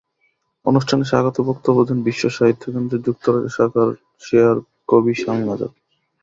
অনুষ্ঠানে স্বাগত বক্তব্য দেন বিশ্বসাহিত্য কেন্দ্রের যুক্তরাজ্য শাখার চেয়ার কবি শামীম আজাদ।